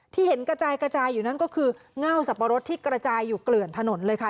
ที่เห็นกระจายกระจายอยู่นั่นก็คือเง่าสับปะรดที่กระจายอยู่เกลื่อนถนนเลยค่ะ